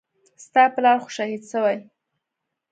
ستا پلار خو شهيد سوى.